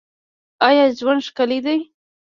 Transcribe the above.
آیا ژوند ښکلی دی؟